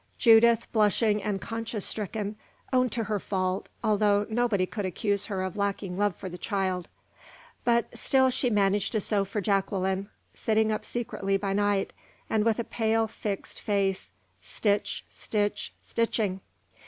Judith, blushing and conscience stricken, owned to her fault, although nobody could accuse her of lacking love for the child. But still she managed to sew for Jacqueline, sitting up secretly by night, and with a pale, fixed face stitch, stitch, stitching!